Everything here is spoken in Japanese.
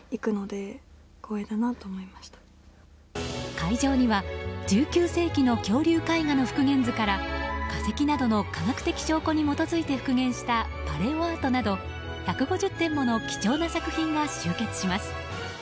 会場には１９世紀の恐竜絵画の復元図から化石などの科学的証拠に基づいて復元したパレオアートなど１５０点もの貴重な作品が集結します。